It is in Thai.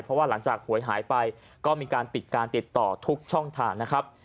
เพราะว่าหลังจากหวยหายไปก็มีการปิดการติดต่อทุกช่องทางนะครับ